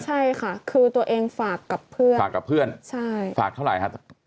ใช่ค่ะคือตัวเองฝากกับเพื่อนฝากกับเพื่อนใช่ฝากเท่าไหร่ฮะ